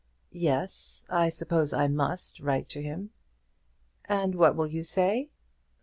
"Yes; I suppose I must write to him." "And what will you say?"